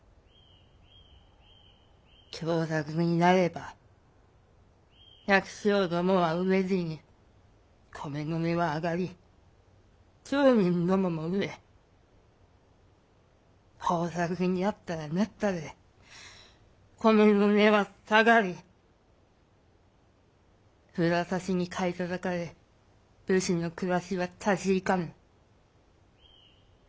凶作になれば百姓どもが飢え死に米の値は上がり町人どもも飢え豊作になったらなったで米の値は下がり札差しに買いたたかれ武士の暮らしは立ち行かぬ。